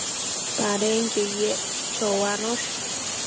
Padenquio yec choanosh